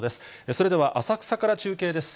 それでは浅草から中継です。